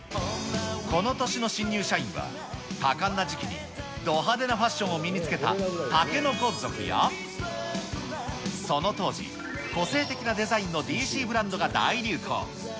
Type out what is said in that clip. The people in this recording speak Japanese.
この年の新入社員は、多感な時期にど派手なファッションを身につけた竹の子族や、その当時、個性的なデザインのＤＣブランドが大流行。